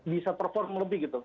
bisa perform lebih gitu